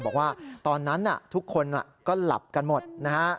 บอกว่าตอนนั้นทุกคนก็หลับกันหมดนะฮะ